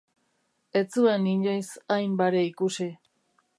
Ez zuen inoiz hain bare ikusi.